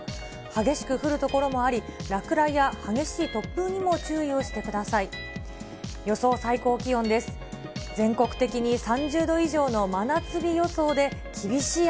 激しく降る所もあり、落雷や激しい突風にも注意をしてください。